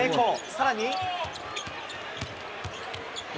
さらに。